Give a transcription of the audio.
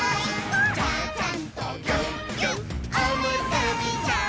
「ちゃちゃんとぎゅっぎゅっおむすびちゃん」